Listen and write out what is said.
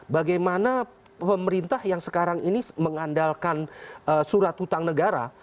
bagaimana pemerintah yang sekarang ini mengandalkan surat utang negara